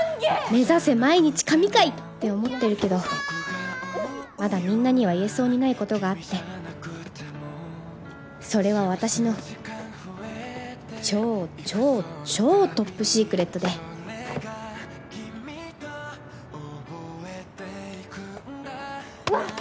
目指せ毎日神回！って思ってるけどまだみんなには言えそうにないことがあってそれは私の超超超トップシークレットでわっ！